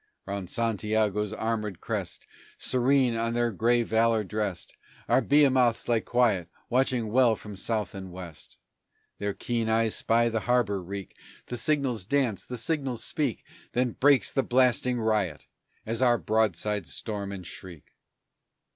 Round Santiago's armored crest, Serene, in their gray valor dressed, Our behemoths lie quiet, watching well from south and west; Their keen eyes spy the harbor reek; The signals dance, the signals speak; Then breaks the blasting riot as our broadsides storm and shriek!